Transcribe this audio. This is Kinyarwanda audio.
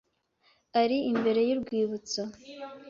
Ari imbere y'urwibutso.